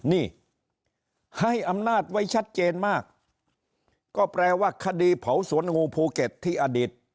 นี่ให้อำนาจไว้ชัดเจนมากก็แปลว่าคดีเผาสวนงูภูเก็ตที่อดีต